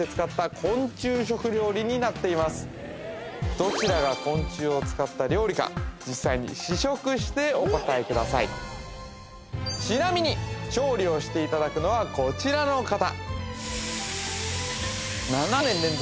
どちらが昆虫を使った料理か実際に試食してお答えくださいちなみに調理をしていただくのはこちらの方７年連続